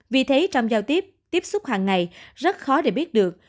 vì thế trong giao tiếp tiếp xúc hàng ngày rất khó để biết được